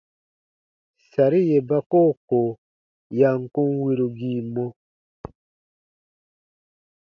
Sari yè ba koo ko ya kun wirugii mɔ.